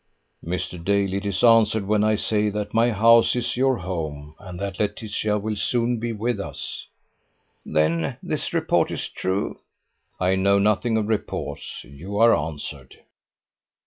"Mr. Dale, it is answered when I say that my house is your home, and that Laetitia will soon be with us." "Then this report is true?" "I know nothing of reports. You are answered."